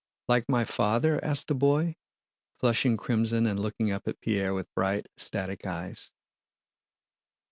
"Like my father?" asked the boy, flushing crimson and looking up at Pierre with bright, ecstatic eyes.